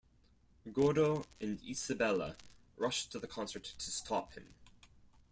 Gordo and Isabella rush to the concert to stop him.